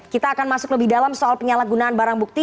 kita akan masuk lebih dalam soal penyalahgunaan barang bukti